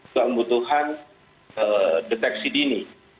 tidak membutuhkan deteksi dini